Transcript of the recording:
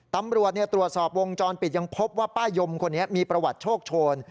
ตำรวจตรวจสอบวงจรปิดยังพบว่าป้ายมคนนี้มีประวัติโชคโชน